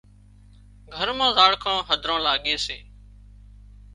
گھر مان زاڙکان هڌران لاڳي سي